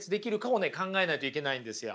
考えないといけないんですよ。